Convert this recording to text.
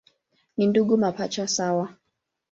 Ni ndugu mapacha sawa.